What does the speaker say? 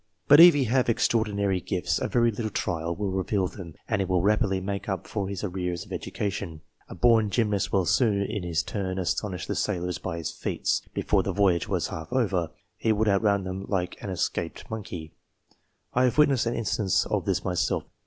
But if he have extraordinary gifts, a very little trial will reveal them, and he will rapidly make up for his arrears of education. A born gymnast would soon, in his turn, astonish the sailors by his feats. Before the voyage was half over, he would outrun them like an escaped monkey. I have witnessed an instance of this myself.